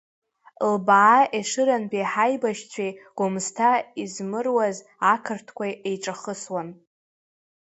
Лбаа Ешырантәи ҳаибашьцәеи Гәымсҭа измыруаз ақырҭқәеи еиҿахысуан.